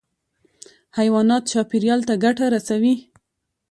حیوانات چاپېریال ته ګټه رسوي.